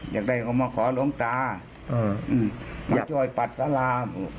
อยากได้เขามาขอลงตาปรับช่วยปัดสลาม